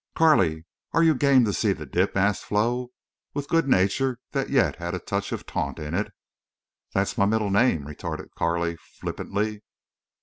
"Carley, are you game to see the dip?" asked Flo, with good nature that yet had a touch of taunt in it. "That's my middle name," retorted Carley, flippantly.